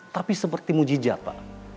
tapi seperti muji jat pak